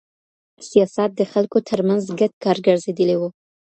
سیاست د خلکو ترمنځ ګډ کار ګرځېدلی وو.